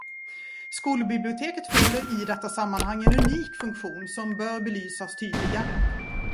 Skolbiblioteket fyller i detta sammanhang en unik funktion som bör belysas tydligare.